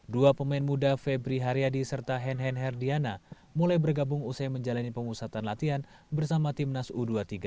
dua pemain muda febri haryadi serta henhen herdiana mulai bergabung usai menjalani pengusatan latihan bersama timnas u dua puluh tiga